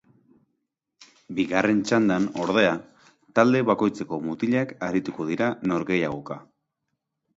Bigarren txandan, ordea, talde bakoitzeko mutilak arituko dira norgehiagoka.